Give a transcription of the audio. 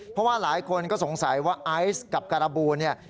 เพราะว่าหลายคนก็สงสัยว่าไอ้กับการะบู